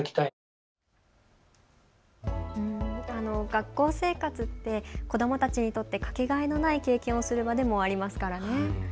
学校生活って子どもたちにとってかけがえのない経験をする場でもありますからね。